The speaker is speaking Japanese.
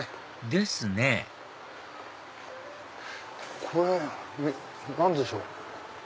ですねこれ何でしょう？